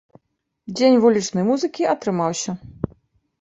Дзень вулічнай музыкі атрымаўся.